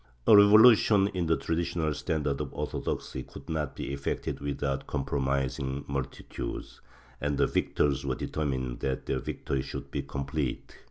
A revolution in the traditional stand ards of orthodoxy could not be effected without compromising multitudes, and the victors were determined that their victory should be complete.